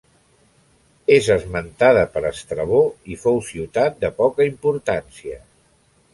És esmentada per Estrabó i fou ciutat de poca importància.